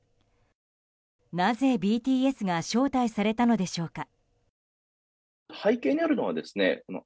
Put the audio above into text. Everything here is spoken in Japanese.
なぜ、ＢＴＳが招待されたのでしょうか。